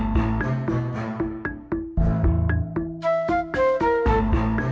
tidak ada yang mau berbicara